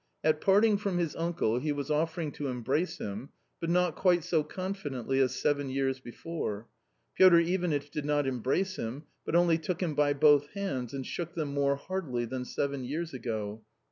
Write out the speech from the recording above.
At parting from his uncle he was offering to embrace him, but not quite so confidently as seven years before. Piotr Ivanitch did not embrace him, but only took him by both hands and shook them more heartily than seven years ago.